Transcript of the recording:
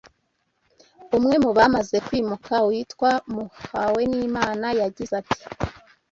Umwe mu bamaze kwimuka witwa Muhaweninama yagize ati